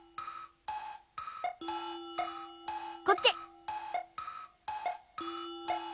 こっち！